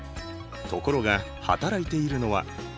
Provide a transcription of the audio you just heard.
ところが働いているのは。